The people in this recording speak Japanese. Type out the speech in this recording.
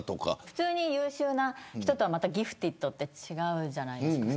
普通に優秀な人とギフテッドはまた違うじゃないですか。